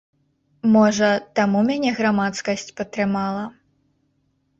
Можа, таму мяне грамадскасць падтрымала.